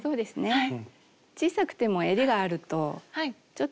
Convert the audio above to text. はい。